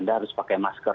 anda harus pakai masker